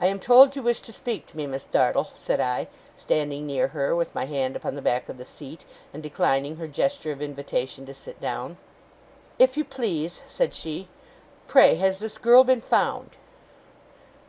'I am told you wish to speak to me, Miss Dartle,' said I, standing near her, with my hand upon the back of the seat, and declining her gesture of invitation to sit down. 'If you please,' said she. 'Pray has this girl been found?